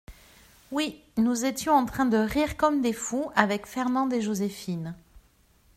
Oui, nous étions en train de rire comme des fous avec Fernande et Joséphine.